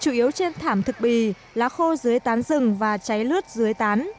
chủ yếu trên thảm thực bì lá khô dưới tán rừng và cháy lướt dưới tán